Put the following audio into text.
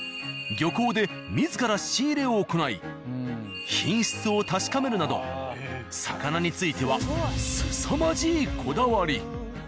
漁港で自ら仕入れを行い品質を確かめるなど魚についてはすさまじいこだわり。